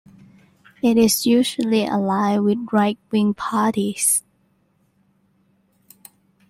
It is usually aligned with right-wing parties.